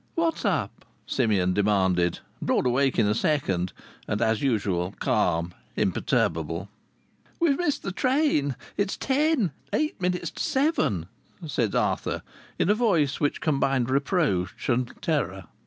"What's up?" Simeon demanded, broad awake in a second, and, as usual, calm, imperturbable. "We've missed the train! It's ten eight minutes to seven," said Arthur, in a voice which combined reproach and terror.